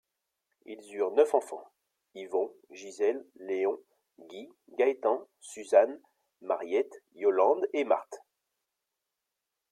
Ils eurent neuf enfants: Yvon, Gisèle, Léon, Guy, Gaëtan, Suzanne, Mariette, Yolande et Marthe.